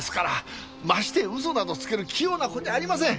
まして嘘などつける器用な子じゃありません。